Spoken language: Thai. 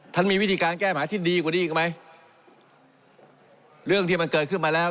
มีวิธีการแก้หมาที่ดีกว่านี้อีกไหมเรื่องที่มันเกิดขึ้นมาแล้ว